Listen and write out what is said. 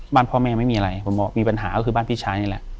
บ้านพ่อแม่ไม่มีอะไรผมบอกมีปัญหาก็คือบ้านพี่ชายนี่แหละ